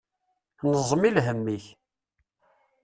Nẓem i lhem-ik.